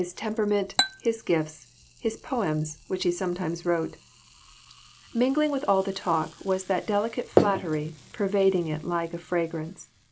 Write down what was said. temperament, his gifts, his poems, which he some times wrote. Mingling with all the talk was that delicate flattery pervading it like a fragrance.